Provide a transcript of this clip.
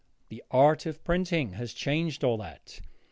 The art of printing has changed all that.